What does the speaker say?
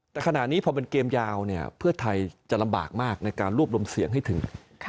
แต่ขณะนี้พอเป็นเกมยาวเนี่ยเพื่อไทยจะลำบากมากในการรวบรวมเสียงให้ถึง